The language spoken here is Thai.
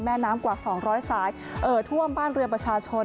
แม่น้ำกว่า๒๐๐สายเอ่อท่วมบ้านเรือประชาชน